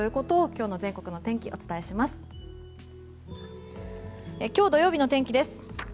今日土曜日の天気です。